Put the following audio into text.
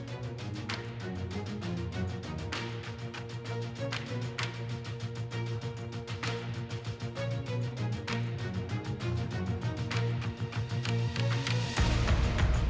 มือใหม่จริงแม่งของจริงว่ะดาวถูกต้องมือใหม่จริงมือใหม่จริง